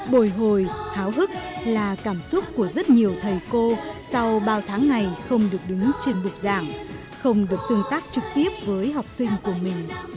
bồi hồi háo hức là cảm xúc của rất nhiều thầy cô sau bao tháng ngày không được đứng trên bục giảng không được tương tác trực tiếp với học sinh của mình